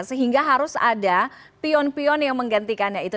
sehingga harus ada pion pion yang menggantikan